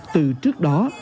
từ trước đó